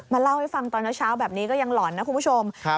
เล่าให้ฟังตอนเช้าแบบนี้ก็ยังหล่อนนะคุณผู้ชม